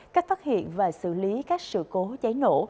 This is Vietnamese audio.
cách phát hiện và xử lý các sự cố cháy nổ